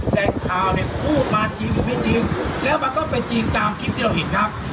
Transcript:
แต่ข่าวเนี่ยพูดมาจริงหรือไม่จริงแล้วมันก็เป็นจริงตามคลิปที่เราเห็นครับ